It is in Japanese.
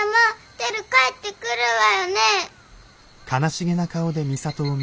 テル帰ってくるわよね？